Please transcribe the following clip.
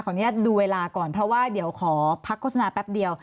อนุญาตดูเวลาก่อนเพราะว่าเดี๋ยวขอพักโฆษณาแป๊บเดียว